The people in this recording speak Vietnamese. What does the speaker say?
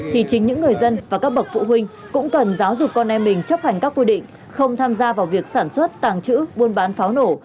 thì chính những người dân và các bậc phụ huynh cũng cần giáo dục con em mình chấp hành các quy định không tham gia vào việc sản xuất tàng trữ buôn bán pháo nổ